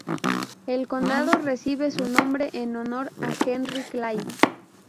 El condado recibe su nombre en honor a Henry Clay.